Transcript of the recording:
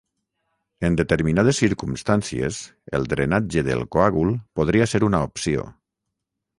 En determinades circumstàncies, el drenatge del coàgul podria ser una opció.